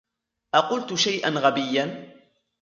أقلتُ شيئًا غبيًّا ؟